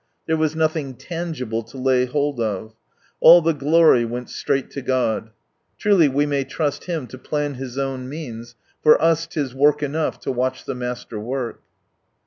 There was nothing tangible to lay hold of. All the glory went straight to God. Truly we may trust Him to plan His own means, for us 'tis "work enough to watch the Master work."